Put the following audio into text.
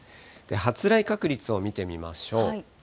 発雷確率を見てみましょう。